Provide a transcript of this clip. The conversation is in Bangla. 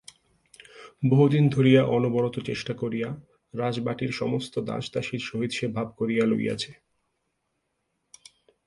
বহুদিন ধরিয়া অনবরত চেষ্টা করিয়া রাজবাটির সমস্ত দাস দাসীর সহিত সে ভাব করিয়া লইয়াছে।